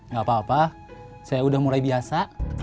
gapapa saya udah mulai biasa